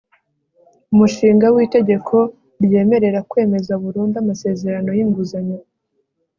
umushinga w'itegeko ryemerera kwemeza burundu amasezerano y'inguzanyo